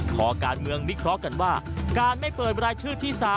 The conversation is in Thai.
ขอการเมืองวิเคราะห์กันว่าการไม่เปิดรายชื่อที่๓